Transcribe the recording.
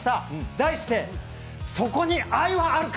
題して「そこに愛はあるか！？